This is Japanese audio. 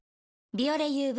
「ビオレＵＶ」